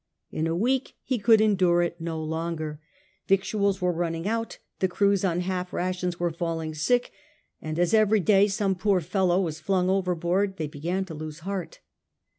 In a week he could endure it no longer. Victuals were running out : the crews, on half rations, were falling sick; and as every day some poor fellow was flung overboard they began to lose heart.